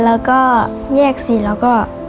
แล้วก็แยกสีแล้วก็